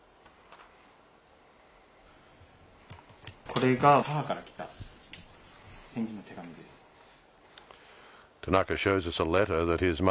これが母から来た返事の手紙です。